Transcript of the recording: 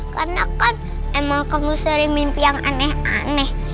karena kan emang kamu sering mimpi yang aneh aneh